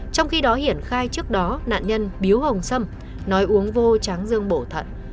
trong khi đó hiển khai trước đó nạn nhân biếu hồng sâm nói uống vô tráng dương bổ thận